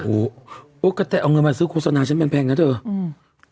กะแตง่ะเอาเงินมาซื้อโฆษณาชั้นแบ่งนะเถอะ